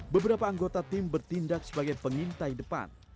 beberapa anggota tim bertindak sebagai pengintai depan